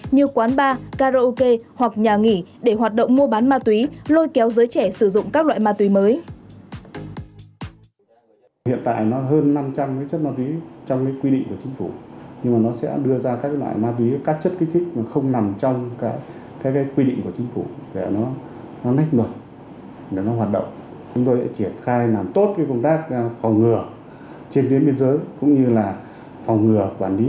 như quán bar karaoke hoặc nhà nghỉ để hoạt động mua bán ma túy lôi kéo giới trẻ sử dụng các loại ma túy